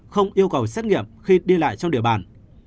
không yêu cầu xét nghiệm khi đi lại trong địa bàn